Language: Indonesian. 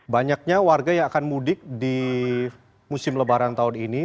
banyaknya warga yang akan mudik di musim lebaran tahun ini